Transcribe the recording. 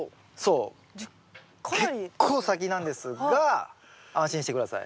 結構先なんですが安心して下さい。